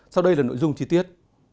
sau đây là nội dung chi tiết